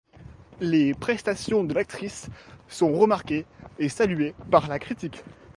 Les prestations de l'actrice sont remarquées et saluées par la critique.